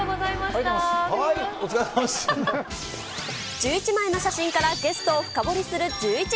１１枚の写真からゲストを深掘りするジューイチ。